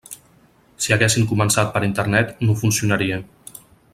Si haguessin començat per Internet, no funcionaria.